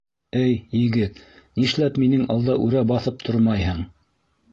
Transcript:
— Эй, егет, нишләп минең алда үрә баҫып тормайһың?